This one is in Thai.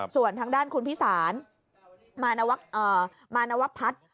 ส่วนทางด้านคุณพิสารมานวพัฒน์